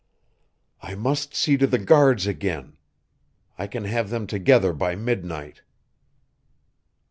"I must see to the guards again. I can have them together by midnight."